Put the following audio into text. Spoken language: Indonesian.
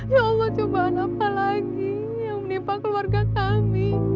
ya allah cobaan apa lagi yang menimpa keluarga kami